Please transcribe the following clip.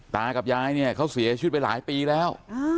ตากับยายเขาเสียชื่นไปหลายปีแล้ว